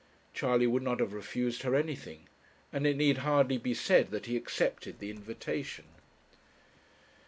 Charley would not have refused her anything, and it need hardly be said that he accepted the invitation.